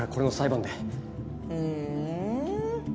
ふん。